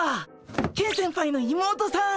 ケン先輩の妹さん！